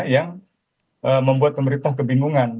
yang membuat pemerintah kebingungan